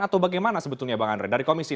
atau bagaimana sebetulnya pak andri dari komisi enam